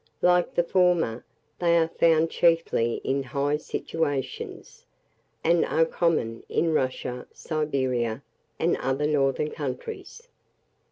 Like the former, they are found chiefly in high situations, and are common in Russia, Siberia, and other northern countries.